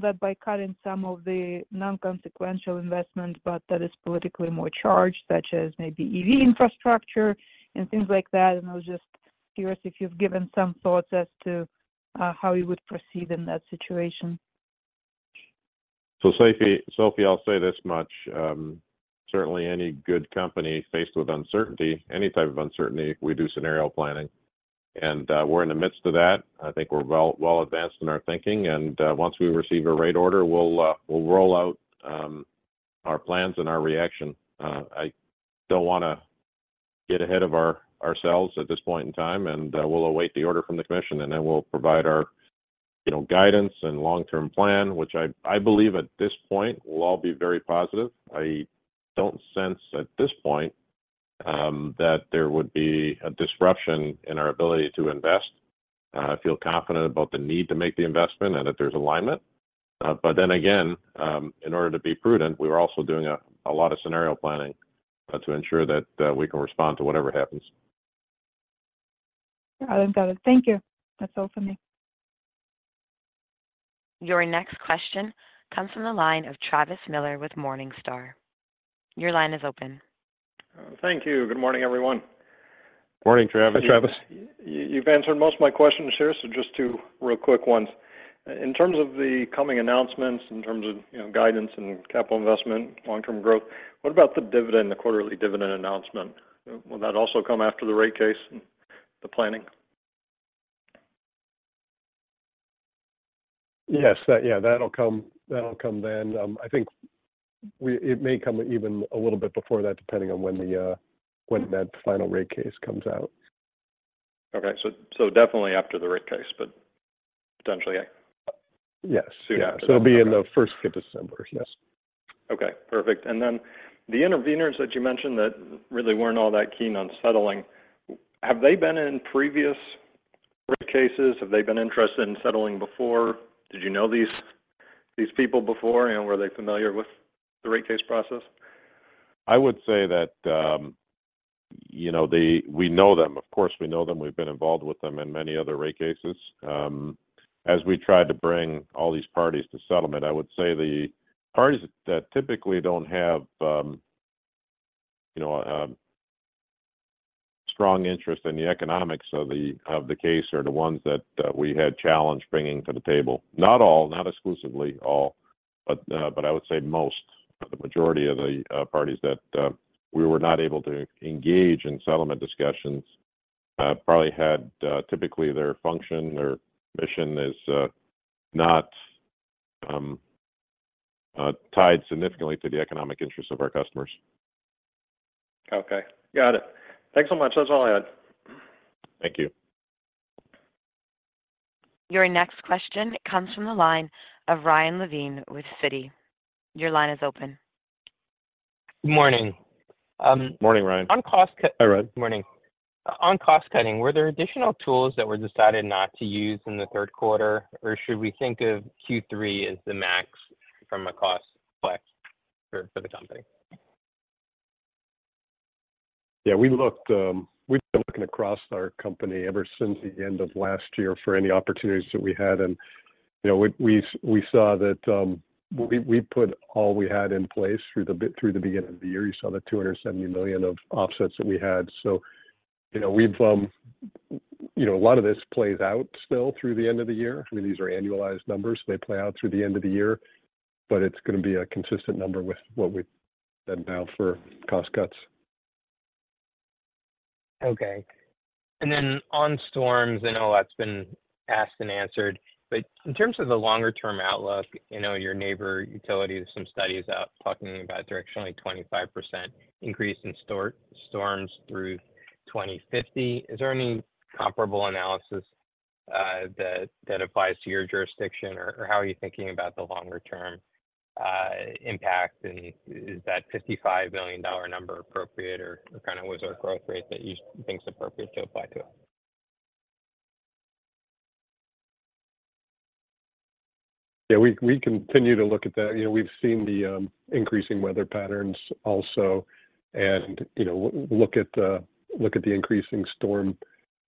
that by cutting some of the non-consequential investment, but that is politically more charged, such as maybe EV infrastructure and things like that. And I was just curious if you've given some thoughts as to, how you would proceed in that situation. So Sophie, Sophie, I'll say this much, certainly any good company faced with uncertainty, any type of uncertainty, we do scenario planning, and we're in the midst of that. I think we're well advanced in our thinking, and once we receive a rate order, we'll roll out our plans and our reaction. I don't want to get ahead of ourselves at this point in time, and we'll await the order from the commission, and then we'll provide our, you know, guidance and long-term plan, which I believe at this point will all be very positive. I don't sense at this point that there would be a disruption in our ability to invest. I feel confident about the need to make the investment and that there's alignment. But then again, in order to be prudent, we are also doing a lot of scenario planning to ensure that we can respond to whatever happens. Got it. Got it. Thank you. That's all for me. Your next question comes from the line of Travis Miller with Morningstar. Your line is open. Thank you. Good morning, everyone. Morning, Travis. Hi, Travis. You've answered most of my questions here, so just two real quick ones. In terms of the coming announcements, in terms of, you know, guidance and capital investment, long-term growth, what about the dividend, the quarterly dividend announcement? Will that also come after the rate case and the planning? Yes. That, yeah, that'll come, that'll come then. I think it may come even a little bit before that, depending on when the, when that final rate case comes out. Okay. So definitely after the rate case, but potentially- Yes Sooner. Yeah. So it'll be in the first week of December. Yes. Okay, perfect. And then the interveners that you mentioned that really weren't all that keen on settling, have they been in previous rate cases? Have they been interested in settling before? Did you know these, these people before? You know, were they familiar with the rate case process? I would say that, you know, they, we know them. Of course, we know them. We've been involved with them in many other rate cases. As we tried to bring all these parties to settlement, I would say the parties that typically don't have, you know, a strong interest in the economics of the, of the case are the ones that we had challenged bringing to the table. Not all, not exclusively all, but I would say most, the majority of the parties that we were not able to engage in settlement discussions probably had typically their function, their mission is not tied significantly to the economic interests of our customers. Okay, got it. Thanks so much. That's all I had. Thank you. Your next question comes from the line of Ryan Levine with Citi. Your line is open. Good morning. Morning, Ryan. On cost cut- Hi, Ryan. Morning. On cost cutting, were there additional tools that were decided not to use in the third quarter, or should we think of Q3 as the max from a cost flex for the company? Yeah, we looked, we've been looking across our company ever since the end of last year for any opportunities that we had. And, you know, we, we, we saw that, We, we put all we had in place through the beginning of the year. You saw the $270 million of offsets that we had. So, you know, we've, you know, a lot of this plays out still through the end of the year. I mean, these are annualized numbers, they play out through the end of the year, but it's gonna be a consistent number with what we've done now for cost cuts. Okay. And then on storms, I know that's been asked and answered, but in terms of the longer term outlook, I know your neighbor utilities, some studies out talking about directionally 25% increase in storms through 2050. Is there any comparable analysis that applies to your jurisdiction or how are you thinking about the longer term impact, and is that $55 million number appropriate, or, kind of, what's our growth rate that you think is appropriate to apply to it? Yeah, we continue to look at that. You know, we've seen the increasing weather patterns also, and, you know, look at the increasing storm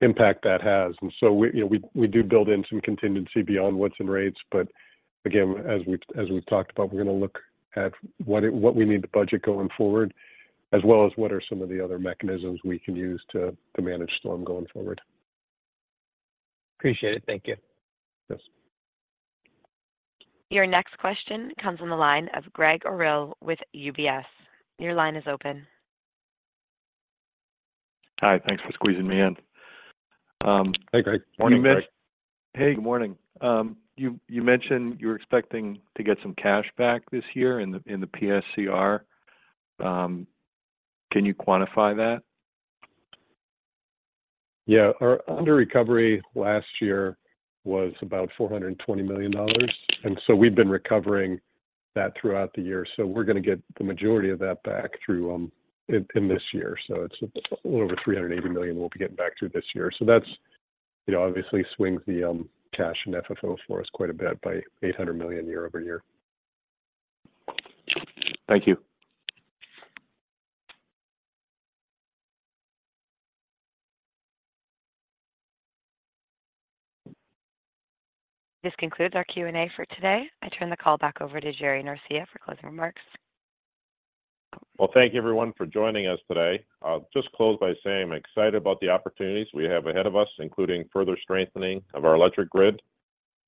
impact that has. And so we, you know, we do build in some contingency beyond what's in rates. But again, as we've talked about, we're gonna look at what we need to budget going forward, as well as what are some of the other mechanisms we can use to manage storm going forward. Appreciate it. Thank you. Yes. Your next question comes on the line of Greg Orrill with UBS. Your line is open. Hi, thanks for squeezing me in. Hey, Greg. Morning, Greg. Hey, good morning. You mentioned you were expecting to get some cash back this year in the PSCR. Can you quantify that? Yeah. Our under recovery last year was about $420 million, and so we've been recovering that throughout the year. So we're gonna get the majority of that back through in this year. So it's a little over $380 million we'll be getting back through this year. So that's, you know, obviously swings the cash and FFO for us quite a bit by $800 million year-over-year. Thank you. This concludes our Q&A for today. I turn the call back over to Jerry Norcia for closing remarks. Well, thank you everyone for joining us today. I'll just close by saying I'm excited about the opportunities we have ahead of us, including further strengthening of our electric grid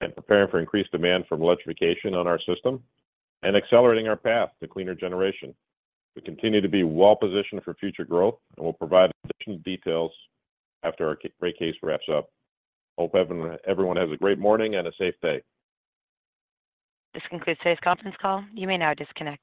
and preparing for increased demand from electrification on our system, and accelerating our path to cleaner generation. We continue to be well positioned for future growth, and we'll provide additional details after our rate case wraps up. Hope everyone has a great morning and a safe day. This concludes today's conference call. You may now disconnect.